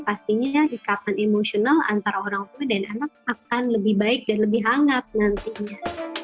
pastinya ikatan emosional antara orang tua dan anak akan lebih baik dan lebih hangat nantinya